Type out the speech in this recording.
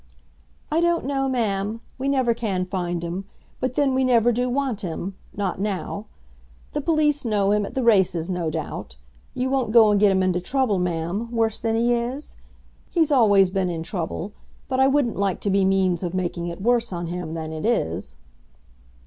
"I don't know, Ma'am. We never can find him; but then we never do want him, not now. The police know him at the races, no doubt. You won't go and get him into trouble, Ma'am, worse than he is? He's always been in trouble, but I wouldn't like to be means of making it worse on him than it is."